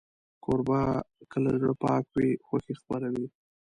کوربه که له زړه پاک وي، خوښي خپروي.